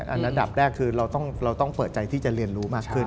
อันดับแรกคือเราต้องเปิดใจที่จะเรียนรู้มากขึ้น